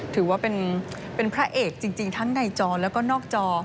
ถือว่าเป็นพระเอกจริงทั้งในจอแล้วก็นอกจอ